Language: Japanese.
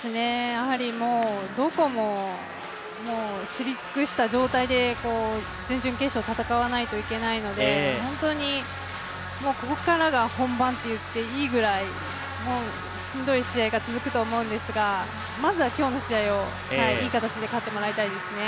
どこも知り尽くした状態で準々決勝を戦わないといけないので本当にここからが本番といっていいぐらい、しんどい試合が続くと思うんですがまずは今日の試合をいい形で勝ってもらいたいですね。